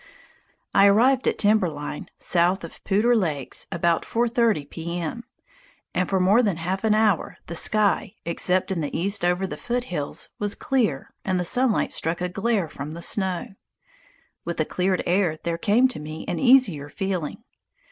I arrived at timber line south of Poudre Lakes about 4.30 P. M., and for more than half an hour the sky, except in the east over the foothills, was clear, and the sunlight struck a glare from the snow. With the cleared air there came to me an easier feeling.